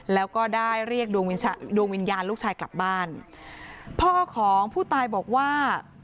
แล้วก็ได้เรียกดวงวิญญาณลูกชายกลับบ้านพ่อของผู้ตายบอกว่า